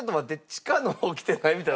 地下の方来てない？みたいな。